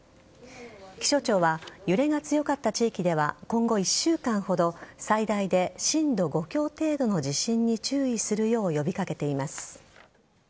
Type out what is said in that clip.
気象庁は揺れが強かった地域では今後１週間ほど最大で震度５強程度の地震に注意するよう呼び掛けています。